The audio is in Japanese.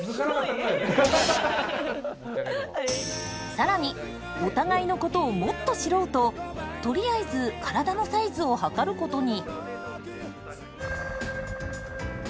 更にお互いのことをもっと知ろうととりあえず体のサイズを測ることに。